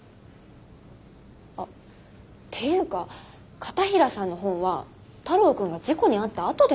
あっていうか片平さんの本は太郎君が事故に遭ったあとですよ。